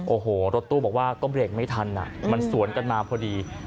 โอ้โหรถตู้บอกว่าก็เบรกไม่ทันมันสวนกันมาพอดี